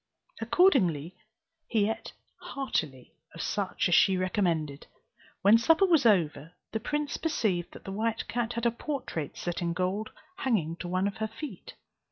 Accordingly he ate heartily of such as she recommended. When supper was over, the prince perceived that the white cat had a portrait set in gold hanging to one of her feet.